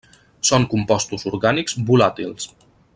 Són compostos orgànics volàtils.